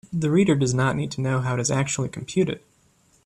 The reader does not need to know how it is actually computed.